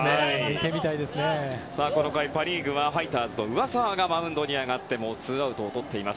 この回パ・リーグはファイターズの上沢がマウンドに上がってツーアウトをとっています。